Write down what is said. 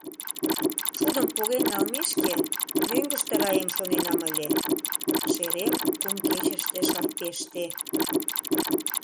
Шудым поген налмешке, мӧҥгыштӧ раем шоненам ыле, шерем кум кечыште шырпеште.